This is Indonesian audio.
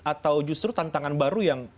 atau justru tantangan baru yang